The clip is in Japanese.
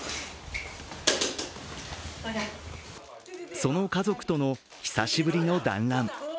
その家族との久しぶりの団らん。